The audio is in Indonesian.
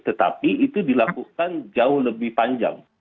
tetapi itu dilakukan jauh lebih panjang